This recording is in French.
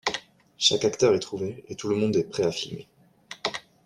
Chaque acteur est trouvé et tout le monde est prêt à filmer.